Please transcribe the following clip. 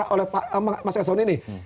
oleh mas kesehoni ini